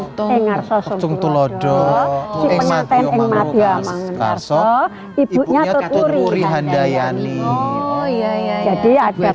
dulu kan semua orang tua hanya memberikan dorongan di belakang memberikan petunjuknya